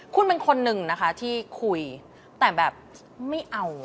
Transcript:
คุณเป็นคนหนึ่งนะคะที่คุยแต่แบบไม่เอา